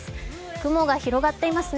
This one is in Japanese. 雲が広がっていますね。